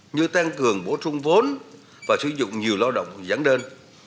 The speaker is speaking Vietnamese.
như tăng cường bổ trung vốn và sử dụng nhiều lao động giảng đơn